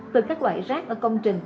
từ các loại rác ở công trình